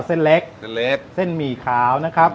เส้นเล็กเส้นหมี่ขาวนะครับ